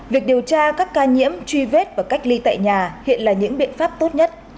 việc điều tra các ca nhiễm truy vết và cách ly tại nhà hiện là những biện pháp tốt nhất